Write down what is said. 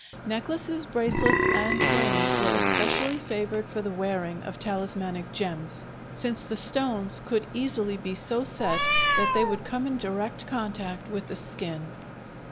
Necklaces, bracelets, and rings were especially favored for the wearing of talismanic gems, since the stones could easily be so set that they would come in direct contact with the skin.